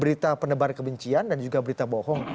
berita penebar kebencian dan juga berita bohong